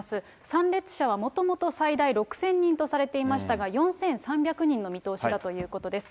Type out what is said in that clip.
参列者はもともと最大６０００人とされていましたが、４３００人の見通しだということです。